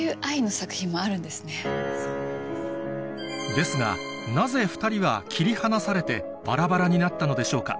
ですがなぜ２人は切り離されてバラバラになったのでしょうか？